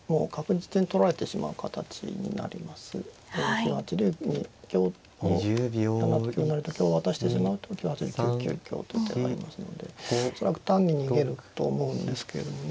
９八竜に香を７八香成と香を渡してしまうと９八竜に９九香という手がありますので恐らく単に逃げると思うんですけれどもね。